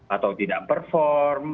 atau tidak perform